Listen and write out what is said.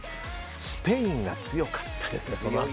スペインが強かったですよね。